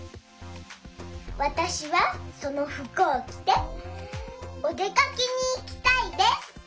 わたしはそのふくをきておでかけにいきたいです。